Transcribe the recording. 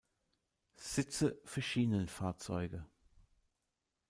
Sitze für Schienenfahrzeuge".